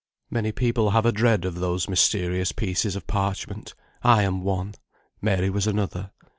Many people have a dread of those mysterious pieces of parchment. I am one. Mary was another.